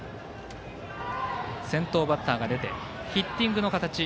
先頭バッターが出てヒッティングの形。